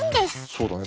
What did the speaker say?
そうだね。